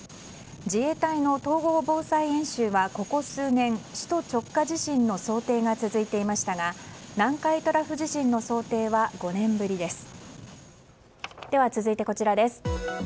自衛隊の統合防災演習はここ数年首都直下地震の想定が続いていましたが南海トラフ地震の想定は５年ぶりです。